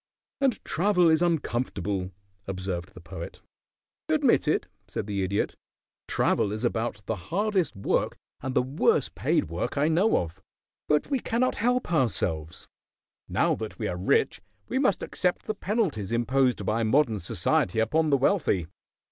"And travel is uncomfortable," observed the Poet. "Admitted," said the Idiot. "Travel is about the hardest work and the worst paid work I know of, but we cannot help ourselves. Now that we are rich we must accept the penalties imposed by modern society upon the wealthy.